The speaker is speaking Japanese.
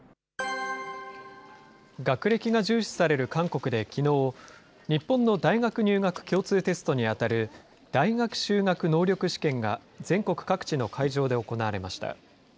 学歴が重視される韓国できのう、日本の大学入学共通テストに当たる、大学修学能力試験が、全国各地の会場で行われました。